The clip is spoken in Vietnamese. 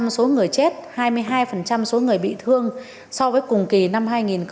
năm mươi số người chết hai mươi hai số người bị thương so với cùng kỳ năm hai nghìn một mươi tám